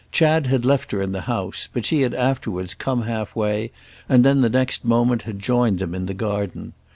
Chad had left her in the house, but she had afterwards come halfway and then the next moment had joined them in the garden.